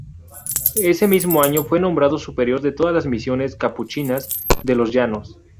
Ese mismo año fue nombrado superior de todas las misiones capuchinas de los Llanos.